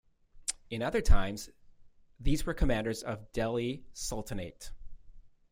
In other times, these were commanders of Delhi Sultanate.